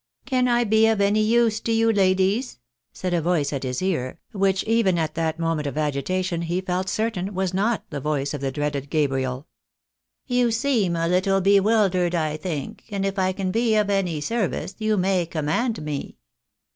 " Can I be of any use to you, ladies?" said a voice at his ear, v. hich even at that moment of agitation he felt certain was not the voice of the dreaded Gabriel. " You seem a little bewildered, I think, and if I can be of any service, you may command me."